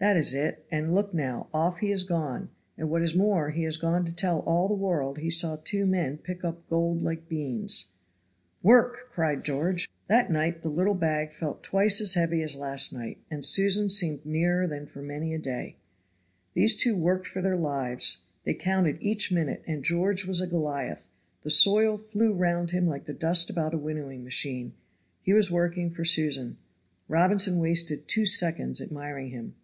"That is it. And look now, off he is gone; and, what is more, he has gone to tell all the world he saw two men pick up gold like beans." "Work!" cried George. That night the little bag felt twice as heavy as last night, and Susan seemed nearer than for many a day. These two worked for their lives. They counted each minute, and George was a Goliath; the soil flew round him like the dust about a wmnnowing machine. He was working for Susan. Robinson wasted two seconds admiring him.